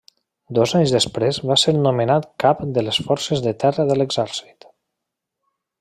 Dos anys després va ser nomenat Cap de les Forces de Terra de l'Exèrcit.